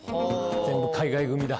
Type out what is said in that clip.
全部海外組だ。